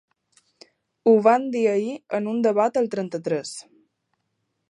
Ho van dir ahir en un debat al trenta-tres.